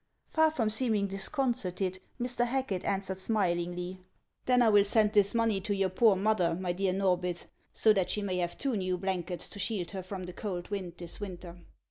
Far from seeming disconcerted, Mr. Hacket answered smilingly, " Then I will send this money to your poor mother, my dear Norbith, so that she may have two new blankets to shield her from the cold wind this winter."